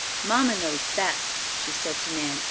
"Mamma knows best," she said to Nan.